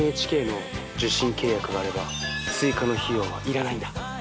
ＮＨＫの受信契約があれば追加の費用は要らないんだ。